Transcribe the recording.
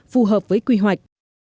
phù hợp với quy hoạch